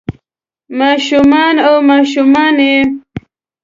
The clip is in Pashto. ما شومان او ماشومانے